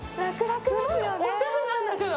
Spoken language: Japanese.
おしゃれなんだけど。